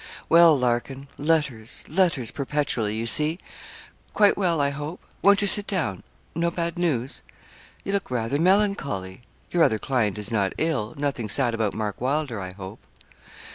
'Well, Larkin letters, letters perpetually, you see. Quite well, I hope? Won't you sit down no bad news? You look rather melancholy. Your other client is not ill nothing sad about Mark Wylder, I hope?'